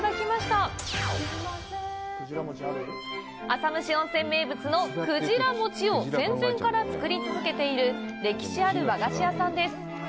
浅虫温泉名物の久慈良餅を戦前から作り続けている歴史ある和菓子屋さんです。